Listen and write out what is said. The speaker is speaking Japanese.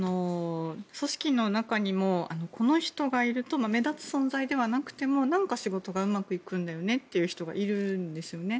組織の中にもこの人がいると目立つ存在ではなくても何か仕事がうまくいくんだよねという人がいるんですよね。